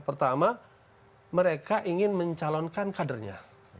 pertama mereka ingin mencalonkan kadernya